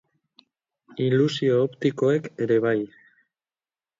Ilusio optikoek ere bai.